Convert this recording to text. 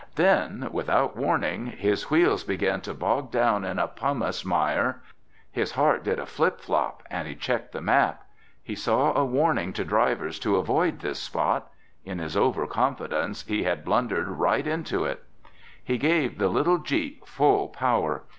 Then, without warning, his wheels began to bog down in a pumice mire. His heart did a flip flop and he checked the map. He saw a warning to drivers to avoid this spot. In his overconfidence, he had blundered right into it! He gave the little jeep full power.